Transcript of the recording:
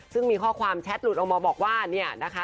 ซึ่งมีข้อความแชทหลุดออกมาบอกว่าเนี่ยนะคะ